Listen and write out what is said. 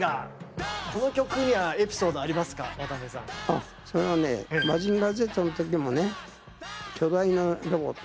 あそれはね「マジンガーＺ」の時もね巨大なロボット